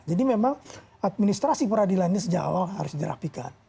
jadi memang administrasi peradilan ini sejak awal harus di rapikan